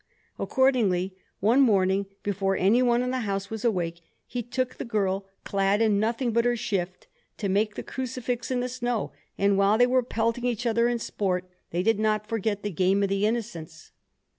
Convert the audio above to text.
Accordingly, one morning before any one in the house was awake, he took the girl clad in nothing but her shift to make the crucifix in the snow, and while they were pelting each other in sport, they did not forget the game of the Innocents.